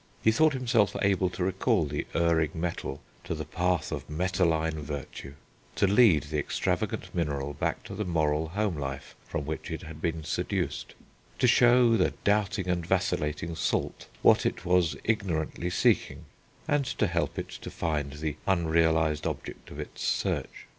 He thought himself able to recall the erring metal to the path of metalline virtue, to lead the extravagant mineral back to the moral home life from which it had been seduced, to show the doubting and vacillating salt what it was ignorantly seeking, and to help it to find the unrealised object of its search.